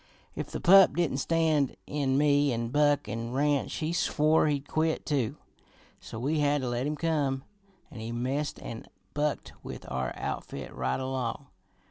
If the pup didn't stand in me an' Buck an' Ranch, he swore he'd quit too, so we had to let him come, an' he messed an' bunked with our outfit right along.